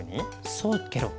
そうケロ。